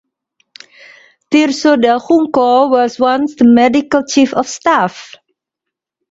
Tirso del Junco was once the medical chief of staff.